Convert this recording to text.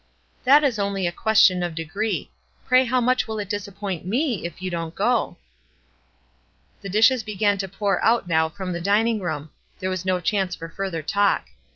"That is only a question of degree. Pray how much will it disappoint me if you don't go?" The dishes began to pour out now from the dining room ; there was no chance for further talk.